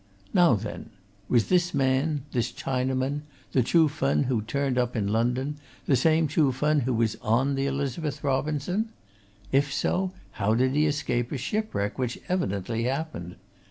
Now then was this man, this Chinaman, the Chuh Fen who turned up in London, the same Chuh Fen who was on the Elizabeth Robinson? If so, how did he escape a shipwreck which evidently happened?